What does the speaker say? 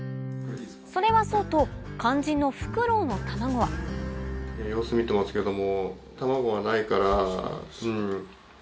それはそうと肝心のフクロウの卵は様子見てますけども。